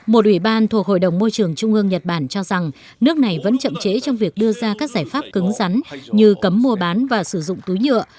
một ủy ban thuộc hội đồng môi trường trung ương nhật bản cho rằng nước này vẫn chậm trễ trong việc đưa ra các giải pháp cứng rắn như cấm mua bán và sử dụng túi nhựa